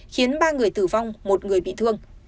khiến ba người tử vong một người bị thương